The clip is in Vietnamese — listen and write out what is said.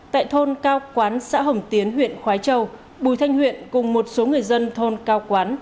tại thôn cao quán xã hồng tiến huyện khói châu bùi thanh huyện cùng một số người dân thôn cao quán